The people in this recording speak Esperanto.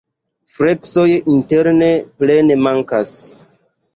Freskoj interne plene mankas.